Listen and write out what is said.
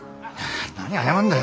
ああ何謝んだよ。